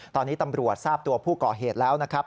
ตอนนี้ตำรวจทราบตัวผู้ก่อเหตุแล้วนะครับ